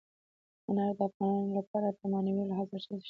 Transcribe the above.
انار د افغانانو لپاره په معنوي لحاظ ارزښت لري.